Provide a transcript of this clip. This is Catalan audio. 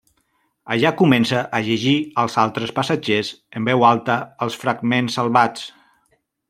Allà comença a llegir als altres passatgers en veu alta els fragments salvats.